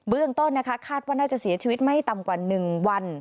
เรื่องต้นนะคะคาดว่าน่าจะเสียชีวิตไม่ต่ำกว่า๑วัน